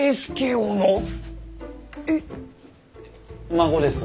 孫です。